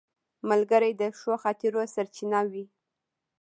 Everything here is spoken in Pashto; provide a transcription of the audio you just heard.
ملګری د ښو خاطرو سرچینه وي